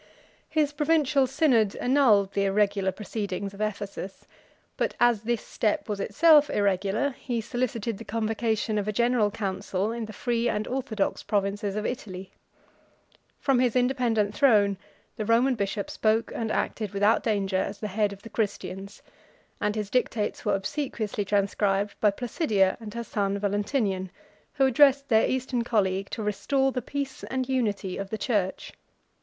His provincial synod annulled the irregular proceedings of Ephesus; but as this step was itself irregular, he solicited the convocation of a general council in the free and orthodox provinces of Italy. From his independent throne, the Roman bishop spoke and acted without danger as the head of the Christians, and his dictates were obsequiously transcribed by Placidia and her son Valentinian; who addressed their Eastern colleague to restore the peace and unity of the church.